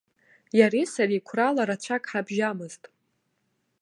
Иареи сареи қәрала рацәак ҳабжьамызт.